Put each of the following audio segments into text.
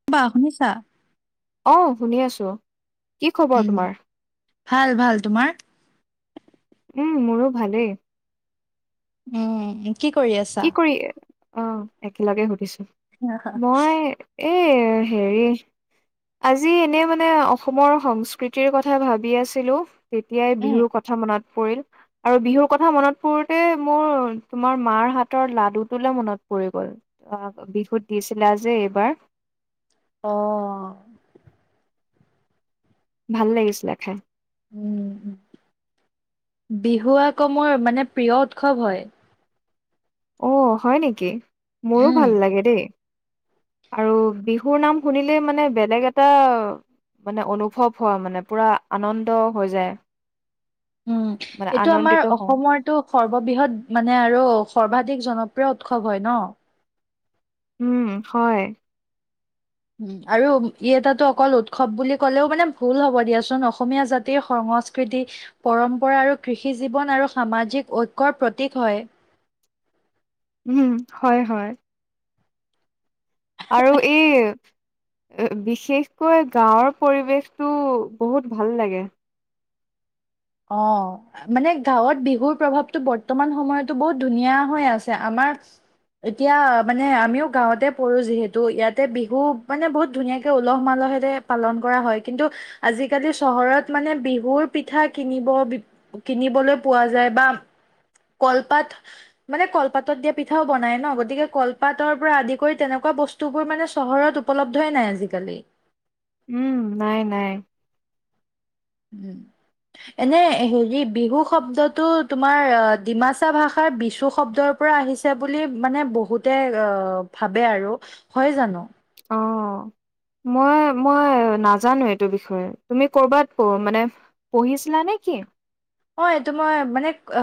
অ বা শুনিছা? অ শুনি আছো কি খবৰ উম, তোমাৰ? ভাল -ভাল। তোমাৰ? উম মোৰো ভালেই। উম। কি কৰি আছে? কি কৰি অ একেলগে সুধিছো মই এই হেৰি আজি এনে মানে অসমৰ সংস্কৃতিৰ কথা ভাবি আছিলো। তেতিয়াই উম। বিহুৰ কথা মনত পৰিল আৰু বিহুৰ কথা মনত পৰোতে মোৰ তোমাৰ মাৰ হাত ৰ লাডু তোলে মনত পৰি গ'ল। অ বিহুত দিছিলা যে এইবাৰ। আহ্। ভাল লাগিছিলে খাই। উম, বিহু আকৌ মোৰ মানে প্ৰিয় উৎসৱ হয়। অ, হয় নেকি? মোৰো উম। ভাল লাগে দেই। আৰু বিহুৰ নাম শুনিলে মানে বেলেগ এটা। মানে অনুভৱ হয়। মানে পোৰা আনন্দ হৈ যায়। উম, মানে এইটো আমাৰ আনন্দিত হওঁ। অসমৰ এইটো সৰ্ববৃহৎ মানে আৰু সৰ্বাধিক জনপ্ৰিয় উৎসৱ হয় নহ। উম, হয়। উম, আৰু ই এটাটো অকল উৎসৱ বুলি ক'লেও মানে ভুল হ'ব দিয়াচোন। অসমীয়া জাতিৰ সংস্কত কৃতি পৰম্পৰা আৰু কৃষি জীৱন আৰু সামাজিক ঐক্যৰ প্ৰতীক হয়। উম, হয়, হয় আৰু এই। এই বিশেষকৈ গাঁৱৰ পৰিৱেশটো বহুত ভাল লাগে। অহ। মানে গাঁৱত বিহুৰ প্ৰভাৱটো বৰ্তমান সময়তো বহুত ধুনীয়া হৈ আছে আমাৰ এতিয়া মানে আমিও গাঁৱতে পঢ়ো যিহেতু ইয়াতে বিহু মানে বহুত ধুনীয়াকে উলহ-মালহেৰে পালন কৰা হয়। কিন্তু আজিকালি চহৰত মানে বিহুৰ পিঠা কিনিব কিনিবলৈ পোৱা যায় বা কলপাত মানে কলপাতত দিয়া পিঠাও বনাই নহ গতিকে কলপাতৰ পৰা আদি কৰি তেনেকুৱা বস্ বস্তুবোৰ মানে চহৰত উপলব্ধই নাই আজিকালি। উম, নাই, নাই উম। এনে হেৰি বিহু শব্দটো তোমাৰ ডিমাচা ভাষাৰ বিচু শব্দৰ পৰা আহিছে বুলি মানে বহুতে অ ভাবে আৰু হয় জানো। অহ। মই মই নাজানো এইটো বিষয়ে তুমি কৰবাত কওঁ মানে পঢ়িছিলা নেকি। অহ, এইটো মই মানে অ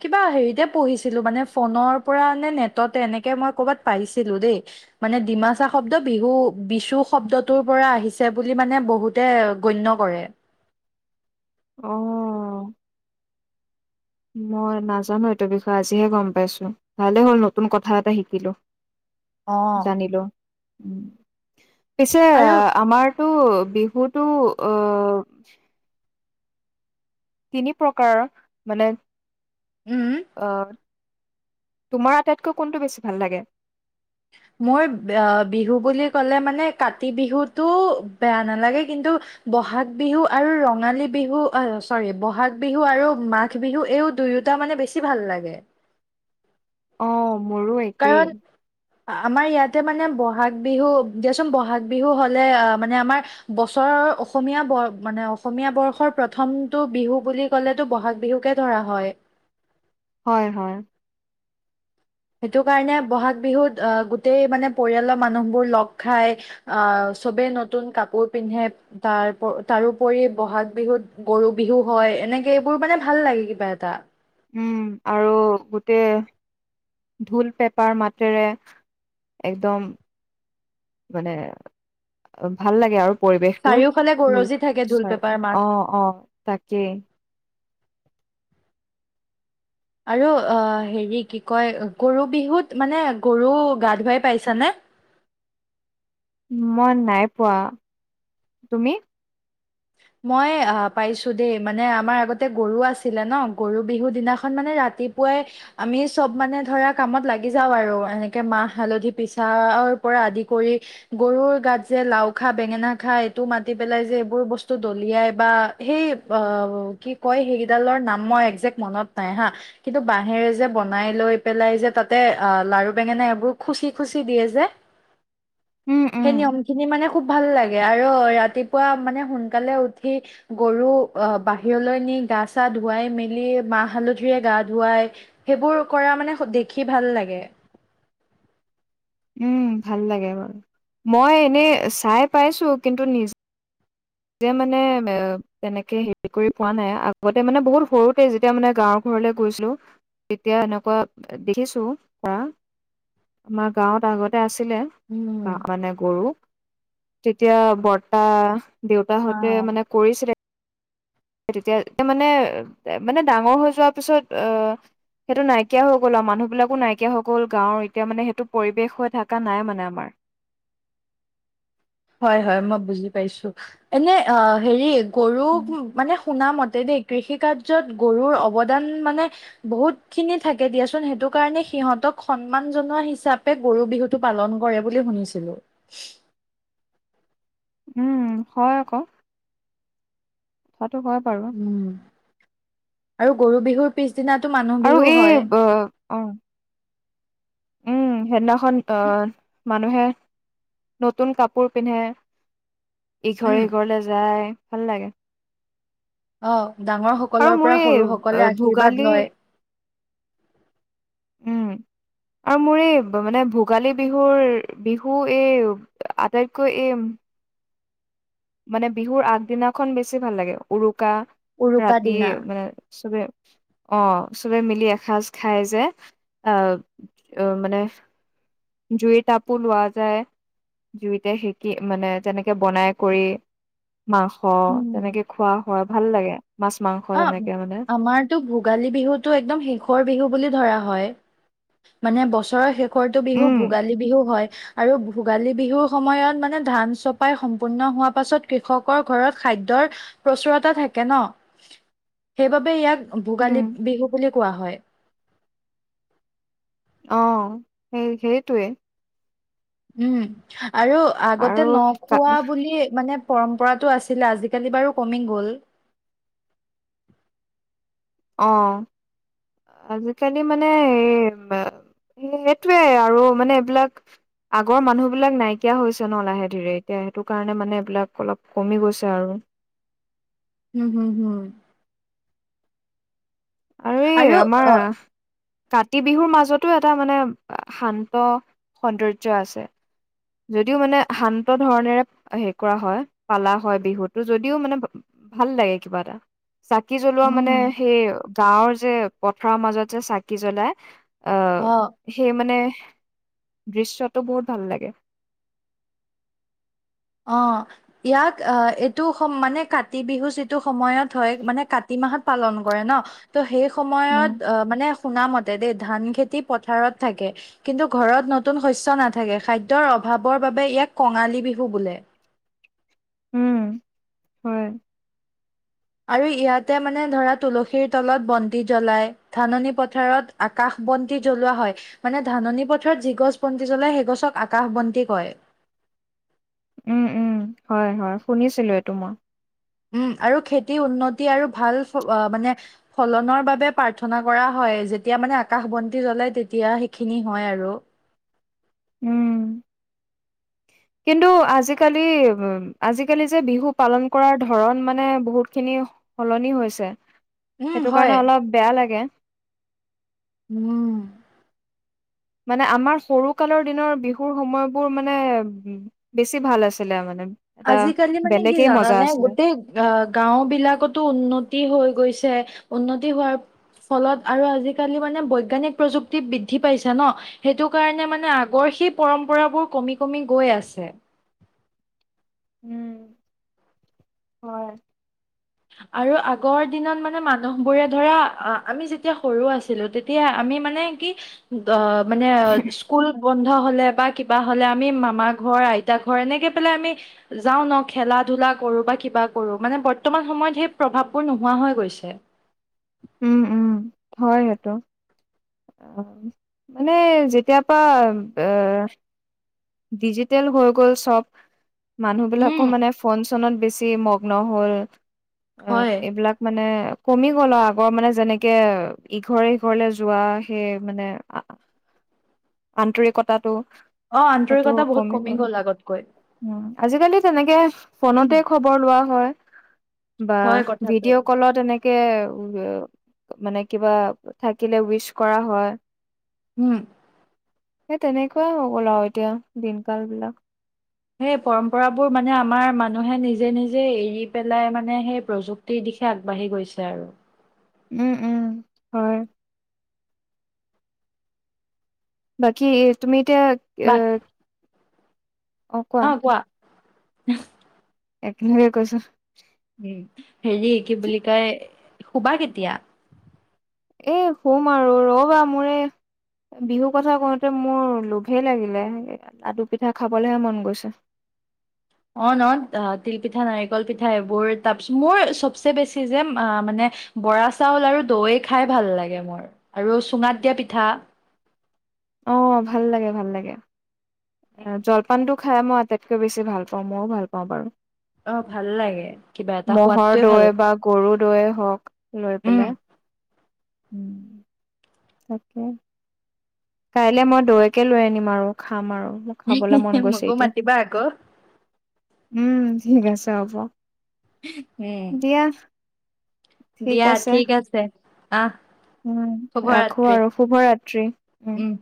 কিবা হেৰিতে পঢ়িছিলোঁ মানে ফোনৰ পৰা নেট ততে এনেকে মই কৰ'বাত পাইছিলো দেই। মানে ডিমাচা শব্দ বিহু বিচু শব্দটোৰ পৰা আহিছে বুলি মানে বহুত তে গণ্য কৰে। অহ। মই নাজানো এইটোৰ বিষয়ে আজিহে গম পাইছো। ভালে হল নতুন কথা এটা শিকিলো। অ জানিলো উম পিছে আৰু আহ, আমাৰতো বিহুতো অহ তিনি প্ৰকাৰ মানে উম অ তোমাৰ আটাইতকৈ কোনটো বেছি ভাল লাগে। মোৰ বিহু বুলি ক'লে মানে কাতি বিহুটো বেয়া নালাগে কিন্তু বহাগ বিহু আৰু ৰঙালী বিহু আহ চৰি বহাগ বিহু আৰু মাঘ বিহু এইও দুয়োটা মানে বেছি ভাল লাগে। অহ, মোৰো এক কাৰণ আমাৰ ইয়াতে মানে বহাগ বিহু দিয়াচোন ব'হাগ বিহু হ'লে মানে আমাৰ বছৰৰ অসমীয়া মানে অসমীয়া বৰ্ষৰ প্ৰথমটো বিহু বুলি কলেতো বহাগ বিহুকে ধৰা হয়। হয়, হয় সেইটো কাৰণে ব'হাগ বিহুত আহ গোটেই মানে পৰিয়ালৰ মানুহবোৰ লগ খাই। আহ, চবেই নতুন কাপোৰ পিন্ধে তাৰ তাৰোপৰি বহাগ বিহুত গৰু বিহু হয়, এনেকে এইবোৰ মানে ভাল লাগে কিবা এটা। উম, আৰু গোটে ঢোল, পেপাৰ মাতেৰে, একদম মানে, অ ভাল লাগে আৰু। পৰিৱেশটো, চাৰিওফালে ঢোল গৰজি থাকে ঢোল চয় পেপাৰ মাত অ অ তাকে। আৰু অ হেৰি কি কয়, গৰু বিহুত মানে গৰু গা ধুৱাই পাইছানে? মই নাই পোৱা, তুমি? মই অ পাইছোঁ দেই। মানে আমাৰ আগতে গৰু আছিলে ন, গৰু বিহু দিনাখন মানে ৰা তিপুৱাই আমি চব মানে ধৰা কামত লাগি যাওঁ আৰু, এনেকে মাহ হালধি পিছা অৰ পৰা আদি কৰি। গৰুৰ গাত যে লাও খা, বেঙেনা খা এইটো মাতি পেলাই যে এইবোৰ বস্ তু দলিয়াই বা সেই অ কি কয় সেইকেইডালৰ নাম, মই একজেক্ট মনত নাই হা। কিন্তু বাঁহেৰে যে বনাই লৈ পেলাই যে তাতে অ, লাৰু বেঙেনা এইবোৰ খুচি খুচি দিয়ে যে। [inaudible] উম সেই নিয়ম খিনি মানে খুব ভাল লাগে। আৰু ৰাতিপুৱা মানে সোনকালে উঠি গৰু অহ বাহিৰলৈ নি গা-চা ধুৱাই মেলি মাহ হালধিৰে গা ধুৱায়। সেইবোৰ কৰা মানে স দেখি ভাল লাগে। উম, ভাল লাগে বাৰু। মই এনে চাই পাইছোঁ, কিন্তু নি জে মানে এ তেনেকে হেৰি কৰি পোৱা নাই। আগতে মানে বহুত সৰুতে যেতিয়া মানে গাঁৱৰ ঘৰলে গৈছিলো। তেতিয়া এনেকুৱা দেখিছো ধৰা, আমাৰ গাঁৱত আগতে আছিলে। উম গা মানে গৰু। তেতিয়া বৰ্তা, দেউতাহঁতে অ'। মানে কৰিছিলে। এ তেতিয়া মানে, মানে ডাঙৰ হৈ যোৱাৰ পিছত আহ সেইটো নাইকিয়া হৈ গ'ল আও মানুহ বিলাকো নাইকিয়া হৈ গ'ল। গাঁৱৰ এতিয়া মানে, সেইটো পৰিৱেশ হৈ থকা নাই মানে আমাৰ। হয়, হয়। মই বুজি পাইছোঁ। এনে অ হেৰি, গৰু উ মানে শুনা মতে দেই। কৃষি-কাৰ্য্যত গৰুৰ অৱদান মানে বহুত খিনি থাকে দিয়াচোন। সেইটো কাৰণে সিহঁতক সন্মান জনোৱা হিচাপে গৰু বিহু টো পালন কৰে বুলি শুনিছিলো। [inaudible] উম, হয় আক'। কথাতো হয় বাৰু। উম। আৰু গৰু বিহুৰ পিছদিনাটো মানুহ আৰু বিহু এই হয়? ব অ। উম। সেইদিনাখন অ মানুহে নতুন কাপোৰ পিন্ধে। উম ইঘৰে সিঘৰলে যায়, ভাল লাগে। অ, ডাঙৰ আৰু সকলৰ মোৰ পৰা এই সৰু অ, সকলে ভোগালী আশীৰ্বাদ লয়। উম, আৰু মোৰ এই ব মানে ভোগালী বিহুৰ বিহু এই আটাইতকৈ এম মানে বিহুৰ আগদিনাখন বেছি ভাল লাগে। উৰুকা উৰুকা ৰাতি দিনা মানে চবে অ, চবে মিলি এসাজ খায় যে। আহ অ, মানে জুই টাপো লোৱা যায়। জুইতে শিকি, মানে তেনেকে বনাই কৰি। [unintelligible] হ উম তেনেকে খোৱা হয়, ভাল লাগে। মাছ-মাং অ, আমাৰ টো ভোগালী বিহুটো একদম শেষৰ বিহু বুলি ধৰা হয়। মানে বছৰৰ শেষ ৰটো বিহু উম ভোগালী বিহু হয়। আৰু ভোগালী বিহু সময়ত মানে ধান চপাই সম্পূৰ্ণ হোৱা পাছত কৃষকৰ ঘৰত খাদ্যৰ প্ৰচুৰতা থাকে ন, সেইবাবে ইয়াক উম ভোগালী বিহু বুলি কোৱা হয়। অ', সেই সেইটোৱে। উম, আৰু আৰু আগতে কা নখোৱা বুলি মানে পৰম্পৰাটো আছিলে, আজিকালি বাৰু কমি গ'ল। অ'। আজিকালি মানে, এই সেইটোৱে আৰু মানে এইবিলাক আগৰ মানুহ বিলাক নাইকিয়া হৈছে ন লাহে ধীৰে, এতিয়া সেইটো কাৰণে মানে, এইবিলাক অলপ কমি গৈছে আৰু। উম, হুম, হুম। আৰু এই আমাৰ কাতি বিহুৰ মাজতো এটা মানে, শান্ত, সৌন্দৰ্য আছে। যদিও মানে, শান্ত ধৰনেৰে হেৰি কৰা হয়, পালা হয় বিহুটো, যদিও মানে ভাল লাগে কিবা এটা। চাকি জ্বলোৱা মানে, উম সেই গাঁৱৰ যে পথাৰৰ মাজত যে চাকি জ্বলাই। অ', সেই মানে দৃশ্যটো বহুত ভাল লাগে। অ'। ইয়াক আহ এইটো সম মানে, কাতি বিহু যিটো সময়ত হয়, মানে কাতি মাহত পালন কৰে ন। ত' সেই উম সময়ত অ', মানে শুনা মতে দেই, ধান খেতি পথাৰত থাকে। কিন্তু, ঘৰত নতুন শস্য নাথাকে, খাদ্যৰ অভাৱৰ বাবে ইয়াক কঙালী বিহু বোলে। উম, হয়। আৰু, ইয়াতে মানে ধৰা, তুলসীৰ তলত বন্তি জ্বলায়। ধাননি পথাৰত, আকাশ বন্তি জ্বলোৱা হয়। মানে, ধাননি পথাৰত যি গছ বন্তি জ্বলায়, সেই গছক আকাশ বন্তি কয়। উম, উম, হয়, হয়, শুনিছিলো এইটো মই। উম, আৰু খেতিৰ উন্নতি আৰু ভাল মানে ফলনৰ বাবে প্ৰাৰ্থনা কৰা হয়, যেতিয়া মানে আকাশ বন্তি জ্বলে, তেতিয়া সেইখিনি হয় আৰু। উম। কিন্তু, আজিকালি, আজিকালি যে, বিহু পালন কৰাৰ ধৰণ মানে বহুত খিনি সলনি হৈছে, উম, সেইটো হয় কাৰণে অলপ বেয়া লাগে। উম। মানে, আমাৰ সৰু কালৰ দিনৰ বিহুৰ সময়বোৰ মানে বেছি ভাল আছিলে মানে। এটা আজিকালি মানে কি, বেলেগেই মজা জানানে আছিলে। গোটেই আহ গাঁও বিলাকতো উন্নতি হৈ গৈছে, উন্নতি হোৱাৰ ফলত, আৰু আজিকালি মানে বৈজ্ঞানিক প্ৰযুক্তি বৃদ্ধি পাইছে ন। সেইটো কাৰণে মানে, আগৰ সেই পৰম্পৰাবোৰ কমি, কমি গৈ আছে। উম হয়। আৰু আগৰ দিনত মানে মানুহ বোৰে ধৰা, আমি যেতিয়া সৰু আছিলো তেত তিয়া আমি মানে, কি দ মানে স্কু স্কুল বন্ধ হ'লে, বা কিবা হ'লে, আমি মামা ঘৰ, আইতা ঘৰ এনেকে পেলাই আমি যাও ন খেলা-ধূলা কৰো, বা কিবা কৰো, মানে বৰ্তমান সময়ত সেই প্ৰভাৱবোৰ নোহোৱা হৈ গৈছে। উম, উম, হয়, সেটো। মানে যেতিয়া পৰা এ ডিজিটেল হৈ গ'ল চব, মানুহ বিলাকো উম মানে ফোন-চোনত বেছি মগ্ন হ'ল, হয় এইবিলাক মানে কমি গ'ল,, আৰু আগৰ মানে যেনেকে ইঘৰে সিঘৰলে যোৱা সেই মানে। আন্তৰিকতাটো, অ আন্তৰিকতা বহুত কমি গ গ'ল আগতকৈ উ আজিকালি তেনেকে ফোনতে খব [unintelligible] লোৱা হয় বা হয় কথাটো ভিডিঅ' ক্ললত এনেকে উ মানে কিবা থাকিলে উইচ কৰা হয়। হম। সেই তেনেকুৱাই গ'ল, আ, ৰু এতিয়া দিন কাল বিলাক। সেই পৰম্পৰাবোৰ মানে আমাৰ মানুহে নিজে নিজে এৰি পেলাই মানে সেই প্ৰযুক্তি যি দিশে আগবাঢ়ি গৈছে আৰু। উম উম হয় বাকী এ' তুমি এতিয়া বাক অঁ কোৱা একেষাৰে কৈচো। হেৰি কি বুলি কয় শুবা কেতিয়া? এ শুম আৰু ৰবা, মোৰ এ বিহু কথা কওঁতে মোৰ লোভেই লাগিলে, লাডু পিঠা খাবলেহে মন গৈছে। অ' ন তিলপিঠা নাৰিকল পিঠা এইবোৰ, তাৰপিছত মোৰ চবচে বেছি যে মানে বৰা চাউল আৰু দৈ খাই ভাল লাগে মোৰ, আৰু চুঙাত দিয়া পিঠা। অ' ভাল লাগে ভাল লাগে, জলপানটো খাই মই আটাইতকৈ বেছি ভাল পাওঁ, মইও ভাল পাওঁ বাৰু। অ' ভাল লাগে কিবা এটা ম'হৰ সোৱাদটোয়ে ভাল দৈ বা গৰু দৈয়ে হওঁক লৈ, উম, পেলাই, তাকে। কাইলে মই দৈকে লৈ আনিম আৰু খাম আৰু। খাবলৈ মন গৈছে মকো এতিয়া মাতিবা আকৌ। উম ঠিক আছে হ'ব। উম দিয়া দিয়া, ঠিক আছে। আহ উম শুভ ৰাখো ৰাত্ৰি। আৰু শুভৰাত্ৰি উম